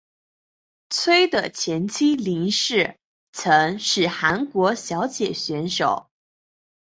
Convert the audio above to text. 崔的前妻林氏曾是韩国小姐选手。